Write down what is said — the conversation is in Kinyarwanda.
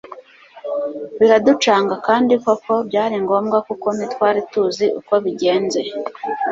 biraducanga kandi koko byaringombwa kuko ntitwari tuzi uko bigenze